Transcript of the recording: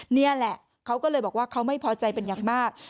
นี่แหละเขาก็เลยบอกว่าเขาไม่พอใจเป็นอย่างมาก